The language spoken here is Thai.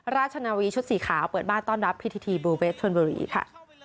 ราชนาวีชุดสีขาวเปิดบ้านต้อนรับพิธีบลูเวฟชนบุรีค่ะ